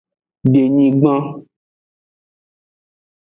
Denyigban.